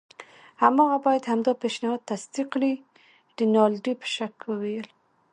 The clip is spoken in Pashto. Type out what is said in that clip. هماغه باید همدا پیشنهاد تصدیق کړي. رینالډي په شک وویل.